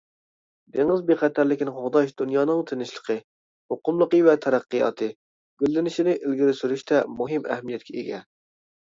دېڭىز بىخەتەرلىكىنى قوغداش دۇنيانىڭ تىنچلىقى، مۇقىملىقى ۋە تەرەققىياتى، گۈللىنىشىنى ئىلگىرى سۈرۈشتە مۇھىم ئەھمىيەتكە ئىگە.